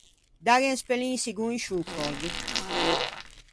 Dâghe un spellinsegon in sciô còllo.